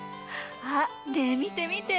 あっねえみてみて。